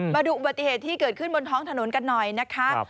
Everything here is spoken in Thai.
มาดูอุบัติเหตุที่เกิดขึ้นบนท้องถนนกันหน่อยนะคะ